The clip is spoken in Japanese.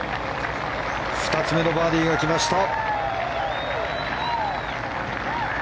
２つ目のバーディーを決めました。